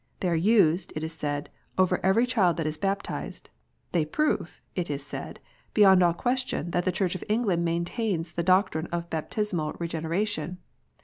They are used, it is said, over every child that is baptized. They prove, it is said, beyond all question, that the Church of England maintains the doctrine of Baptismal Regeneration.